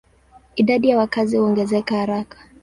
Idadi ya wakazi huongezeka haraka.